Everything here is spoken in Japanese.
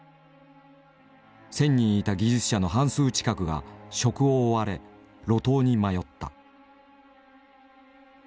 １，０００人いた技術者の半数近くが職を追われ路頭に迷った。